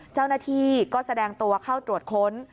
เจ้าหน้าที่ก็แสดงตัวเข้าตรวจค้น